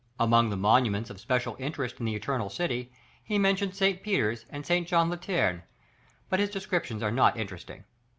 Among the monuments of special interest in the eternal city, he mentions St. Peter's and St. John Lateran, but his descriptions are not interesting.